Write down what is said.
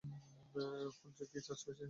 Phone কি charge হয়েছে?